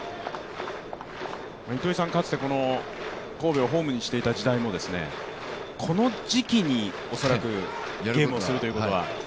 かつてこの神戸をホームにしていた時代もこの時期に恐らくゲームをするということは？